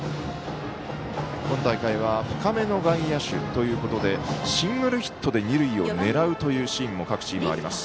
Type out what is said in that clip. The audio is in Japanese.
今大会は深めの外野手ということでシングルヒットで二塁を狙うシーンも各チームあります。